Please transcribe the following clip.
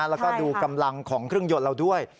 แล้วก็ดูกำลังของเครื่องยนต์เราด้วย